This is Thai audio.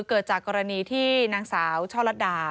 เกิดจากกรณีที่นางสาวช่อลัดดา